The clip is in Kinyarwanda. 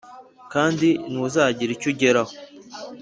kandi ntuzagira icyo ugeraho.